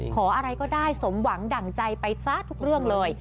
ขออะไรก็ได้สมหวังดั่งใจไปซะทุกเรื่องเลย